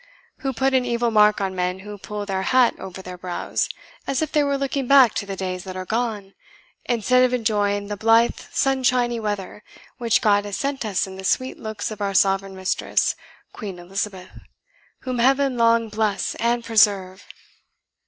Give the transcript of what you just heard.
who put an evil mark on men who pull their hat over their brows, as if they were looking back to the days that are gone, instead of enjoying the blithe sunshiny weather which God has sent us in the sweet looks of our sovereign mistress, Queen Elizabeth, whom Heaven long bless and preserve!"